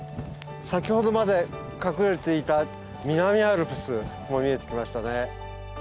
先ほどまで隠れていた南アルプスも見えてきましたね。